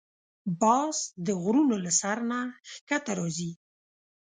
باز د غرونو له سر نه ښکته راځي